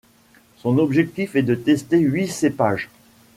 Son objectif est de tester huit cépages.